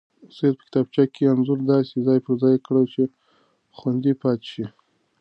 سعید په کتابچه کې انځور داسې ځای پر ځای کړ چې خوندي پاتې شي.